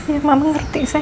ya ya mama ngerti say